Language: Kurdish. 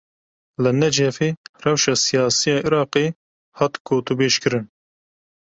Li Necefê rewşa siyasî ya Iraqê hat gotûbêjkirin.